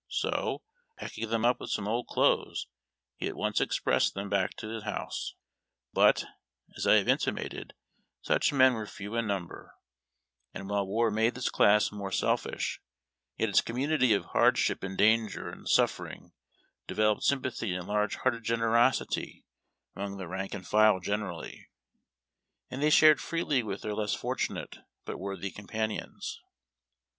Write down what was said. So, packing them up with some old clothes, he at once expressed them back to his home. But, as I have intimated, such men were few in number, and, while war made this class more selfish, yet its community of hardship and danger and suffer ing developed sympathy and large hearted generosity among SPECIA L RA TIONS. 223 the rank and file generally, and they shared freely with their less fortunate but worthy comrades.